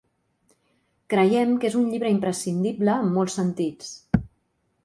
Creiem que és un llibre imprescindible en molts sentits.